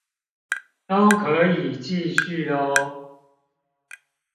都可以繼續喔